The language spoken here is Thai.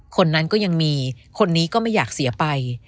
คนนั้นก็ยังมีคนนี้ก็ไม่อยากเสียไป